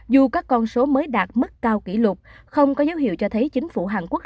dù các con số mới đạt mức cao kỷ lục không có dấu hiệu cho thấy chính phủ hàn quốc